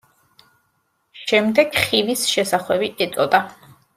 შემდეგ ხივის შესახვევი ეწოდა.